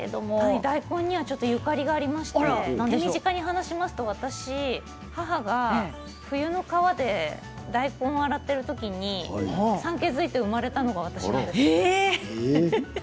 大根にはゆかりがありまして手短に話しますと母が冬の川で大根を洗っているときに産気づいて生まれたのが私なんです。